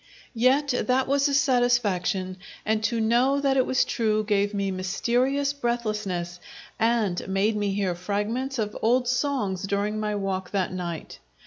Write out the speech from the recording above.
Yet that was a satisfaction, and to know that it was true gave me mysterious breathlessness and made me hear fragments of old songs during my walk that night.